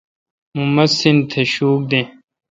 مہ مسین تھ شوک دین۔